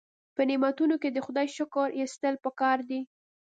په نعمتونو کې د خدای شکر ایستل پکار دي.